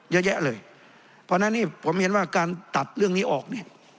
เยอะแยะเลยเพราะฉะนั้นนี่ผมเห็นว่าการตัดเรื่องนี้ออกเนี่ย